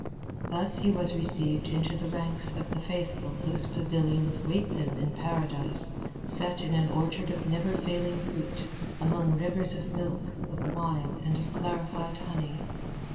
Thus he was received into the ranks of the Faithful whose pavilions wait them in Paradise, set in an orchard of never failing fruit, among rivers of milk, of wine, and of clarified honey.